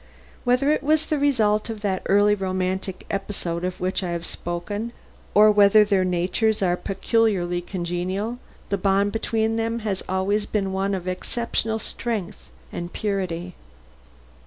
Whether it was the result of that early romantic episode of which I have spoken, or whether their natures are peculiarly congenial, the bond between them has been one of exceptional strength and purity."